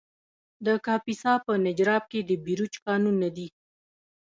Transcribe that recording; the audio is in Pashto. د کاپیسا په نجراب کې د بیروج کانونه دي.